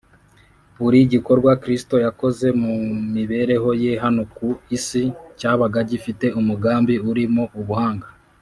. Buri gikorwa Kristo yakoze mu mibereho Ye hano ku isi cyabaga gifite umugambi urimo ubuhanga